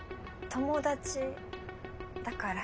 友達やから！